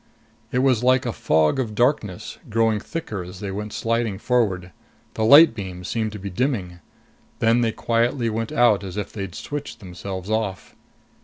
It was like a fog of darkness, growing thicker as they went sliding forward. The light beams seemed to be dimming. Then they quietly went out as if they'd switched themselves off.